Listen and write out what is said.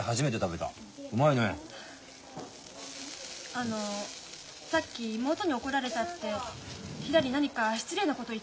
あのさっき妹に怒られたってひらり何か失礼なこと言ったんですか？